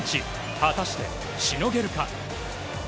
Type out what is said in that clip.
果たして、しのげるか。